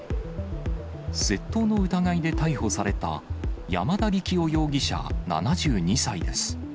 窃盗の疑いで逮捕された山田力男容疑者７２歳です。